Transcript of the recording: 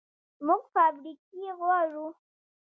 موږ فابریکې غواړو